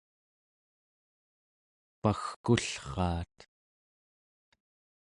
pagkullraat